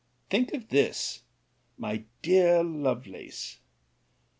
Think of this! my dear Lovelace!